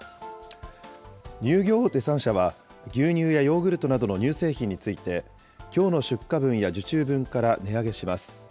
乳業大手３社は、牛乳やヨーグルトなどの乳製品について、きょうの出荷分や受注分から値上げします。